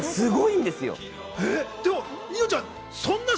やっぱすごいんですよ。